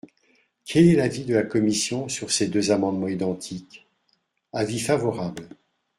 Quel est l’avis de la commission sur ces deux amendements identiques ? Avis favorable.